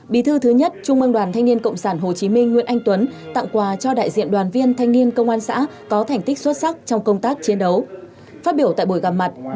bí thư thứ nhất trung ương đoàn thanh niên cộng sản hồ chí minh nguyễn anh tuấn tặng quà cho đại diện đoàn viên thanh niên công an xã